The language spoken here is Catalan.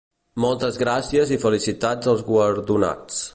Moltes gràcies i felicitats als guardonats.